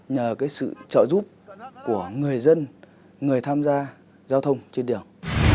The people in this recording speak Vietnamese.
nhờ cái sự trợ giúp của người dân người tham gia giao thông trên đường